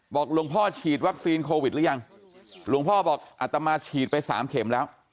หลวงพ่อฉีดวัคซีนโควิดหรือยังหลวงพ่อบอกอัตมาฉีดไปสามเข็มแล้ว